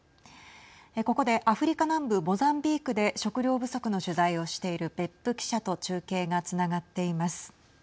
ここでアフリカ南部モザンビークで食糧不足の取材をしている別府記者と中継がつながっています。